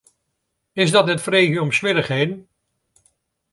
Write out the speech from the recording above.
Is dat net freegjen om swierrichheden?